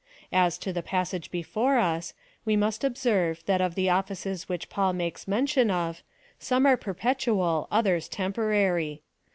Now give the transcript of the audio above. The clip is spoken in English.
' As to the passage before us, we must observe, that of the offices which Paul makes mention of, some are perpetual, others temporary.